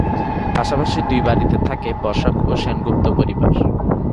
পাশাপাশি দুই বাড়িতে থাকে বসাক ও সেনগুপ্ত পরিবার।